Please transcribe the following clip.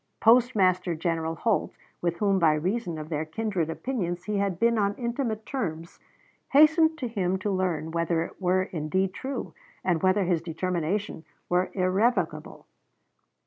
Postmaster General Holt, with whom by reason of their kindred opinions he had been on intimate terms, hastened to him to learn whether it were indeed true and whether his determination were irrevocable.